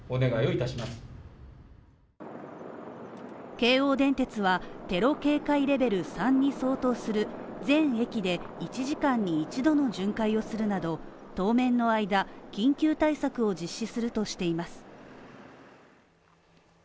京王電鉄はテロ警戒レベル３に相当する全駅で１時間に１度の巡回をするなど当面の間、緊急対策を実施するとしています。